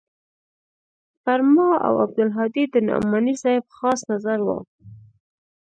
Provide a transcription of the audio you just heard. پر ما او عبدالهادي د نعماني صاحب خاص نظر و.